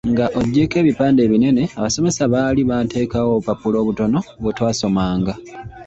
"Nga oggyeeko ebipande ebinene, abasomesa baali baateekawo obupapula obutono bwe twasomanga."